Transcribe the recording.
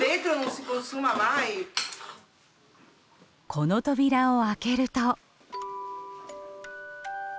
この扉を開けると。